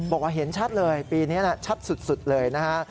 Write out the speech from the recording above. บอกว่าเห็นชัดเลยปีนี้ชัดสุดเลยนะฮะ